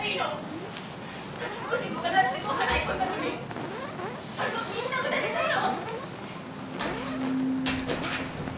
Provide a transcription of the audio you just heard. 夏期講習のお金だってもう払い込んだのにそれもみんな無駄にするの？